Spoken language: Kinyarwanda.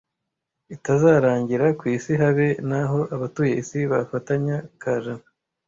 itazarangira ku isi habe naho abatuye isi bafatanya kajana